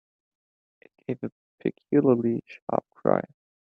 It gave a peculiarly sharp cry.